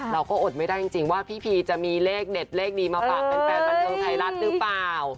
อดไม่ได้จริงว่าพี่พีจะมีเลขเด็ดเลขดีมาฝากแฟนบันเทิงไทยรัฐหรือเปล่า